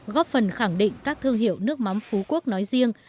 góp phần khẳng định các thương hiệu nước mắm phú quốc nói riêng